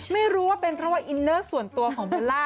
ไม่รู้ว่าเป็นเพราะว่าอินเนอร์ส่วนตัวของเบลล่า